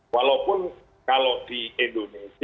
walaupun kalau di indonesia